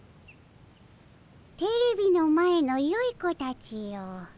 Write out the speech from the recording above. テレビの前のよい子たちよ。